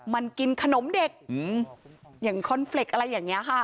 มันกินขนมเด็กอย่างคอนเฟรกต์อะไรอย่างนี้ค่ะ